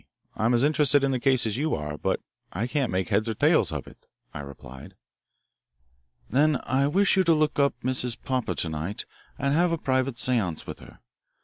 I am as interested in the case as you are, but I can't make heads or tails of it," I replied. "Then, I wish you would look up Mrs. Popper to night and have a private seance with her.